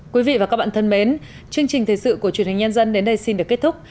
quý vị và các bạn thân mến chương trình thời sự của truyền hình nhân dân đến đây xin được kết thúc